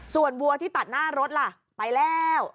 ส่วนวัวที่ตัดหน้ารถล่ะไปแล้ว